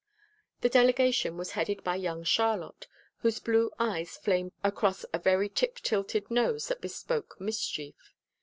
The delegation was headed by young Charlotte, whose blue eyes flamed across a very tip tilted nose that bespoke mischief.